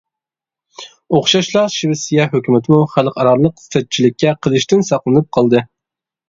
ئوخشاشلا شىۋېتسىيە ھۆكۈمىتىمۇ خەلقئارالىق سەتچىلىككە قېلىشتىن ساقلىنىپ قالدى.